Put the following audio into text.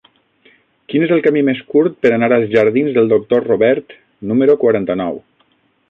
Quin és el camí més curt per anar als jardins del Doctor Robert número quaranta-nou?